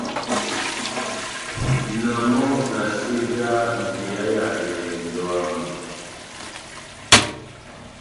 Na mɔ na senjaha njeya ya ehɛndɔ yámu.